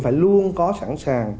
phải luôn có sẵn sàng